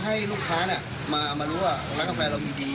อันนี้ก็เป็นแผนเป็นหน้าการทางการตลาดทางหนึ่ง